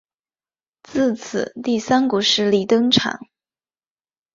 自此第三股势力登场。